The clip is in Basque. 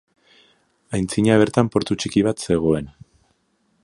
Aintzina bertan portu txiki bat zegoen.